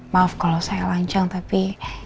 maaf kalau saya lancang tapi